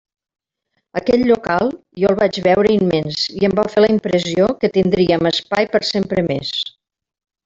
Aquell local jo el vaig veure immens i em va fer la impressió que tindríem espai per sempre més.